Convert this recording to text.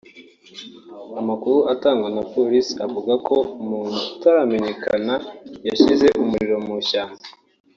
Amakuru atangazwa na polisi avuga ko umuntu utaramenyekana yashyize umuriro mu ishyamba